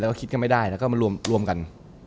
และคิดไม่ได้แล้วมันรวมกัน